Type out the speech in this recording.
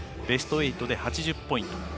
ベスト８で８０ポイント。